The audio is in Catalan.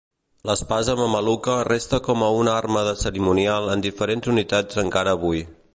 L'espasa mameluca resta com a una arma de cerimonial en diferents unitats encara avui.